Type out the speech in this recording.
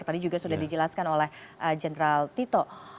tadi juga sudah dijelaskan oleh jenderal tito